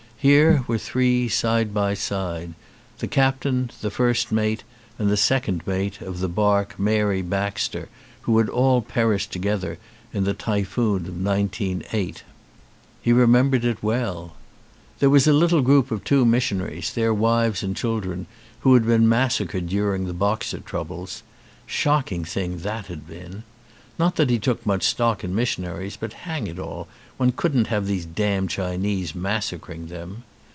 Here were three side by side ; the captain, the first mate, and the second mate of the barque Mary Baxter, who had all perished together in the typhoon of 1908. He remembered it well. 196 THE TAIPAN There was a little group of two missionaries, their wives and children, who had been massacred during the Boxer troubles. Shocking thing that had been! Not that he took much stock in mission aries; but, hang it all, one couldn't have these damned Chinese massacring them.